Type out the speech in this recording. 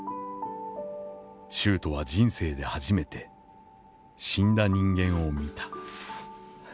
秀斗は人生で初めて死んだ人間を見た」。